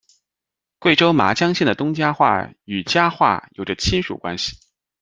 贵州麻江县的东家话与家话有着亲属关系。